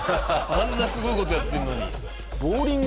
あんなすごい事やってるのに。